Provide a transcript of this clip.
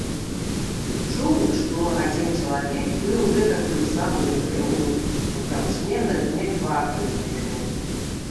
Чуў, што адзін чалавек быў гэтакую самую грыўню ў карчме на дне кварты знайшоў.